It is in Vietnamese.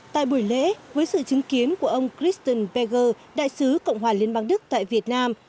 tại buổi lễ với sự chứng kiến của ông christon peger đại sứ cộng hòa liên bang đức tại việt nam